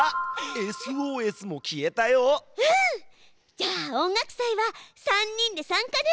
じゃあ音楽祭は３人で参加ね。